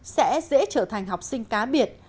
sẽ dễ trở thành học sinh cá biệt